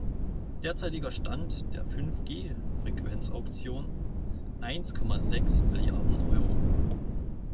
Derzeitiger Stand der Fünf-G-Frequenzauktion: Eins Komma sechs Milliarden Euro.